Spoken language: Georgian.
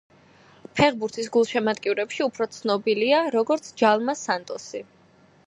ფეხბურთის გულშემატკივრებში უფრო ცნობილია როგორც ჯალმა სანტოსი.